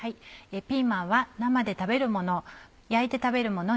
ピーマンは生で食べるもの焼いて食べるもの